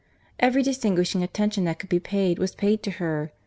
Every distinguishing attention that could be paid, was paid to her.